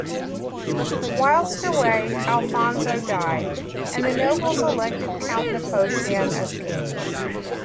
Whilst away, Alfonso died, and the nobles elected Count Nepocian as king.